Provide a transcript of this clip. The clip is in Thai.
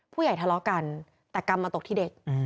ผู้ใหญ่ทะเลาะกันแต่กรรมมาตกที่เด็ก